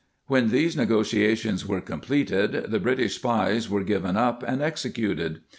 ^ When these negotiations were completed the British spies were given up and executed.